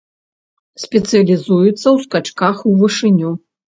Спецыялізуецца ў скачках ў вышыню.